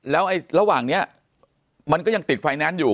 แล้วระหว่างนี้มันก็ยังติดไฟแนนซ์อยู่